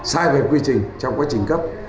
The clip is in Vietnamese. sai về quy trình trong quá trình cấp